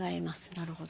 なるほど。